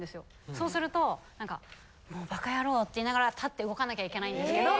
そうすると。って言いながら立って動かなきゃいけないんですけど。